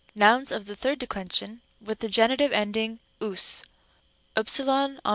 Nouns of the third declension with the genitive ending vos. fem.